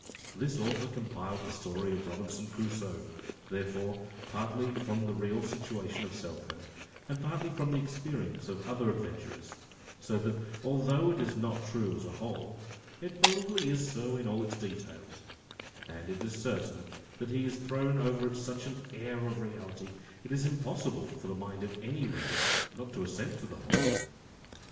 This author compiled the story of Robinson Crusoe, therefore, partly from the real situation of Selkirk, and partly from the experience of other adventurers; so that although it is not true as a whole, it probably is so in all its details; and it is certain, that he has thrown over it such an air of reality, it is impossible for the mind of any reader not to assent to the whole."